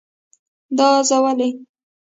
دا زه ولی؟